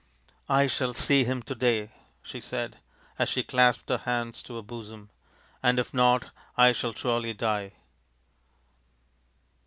" I shall see him to day," she said, as she clasped her hands to her bosom, " and, if not, I shall surely die."